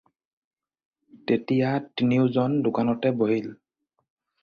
তেতিয়া তিনিওজন দোকানতে বহিল।